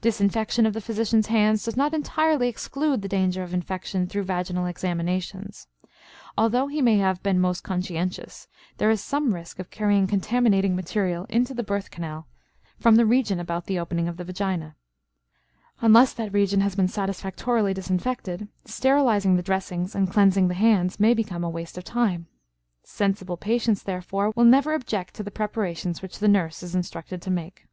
Disinfection of the physician's hands does not entirely exclude the danger of infection through vaginal examinations. Although he may have been most conscientious, there is some risk of carrying contaminating material into the birth canal from the region about the opening of the vagina. Unless that region has been satisfactorily disinfected, sterilizing the dressings and cleansing the hands may become a waste of time. Sensible patients, therefore, will never object to the preparations which the nurse is instructed to make.